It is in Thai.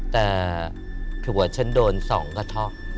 แต่ผัวฉันโดนสองกระทอก